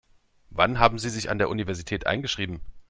Wann haben Sie sich an der Universität eingeschrieben?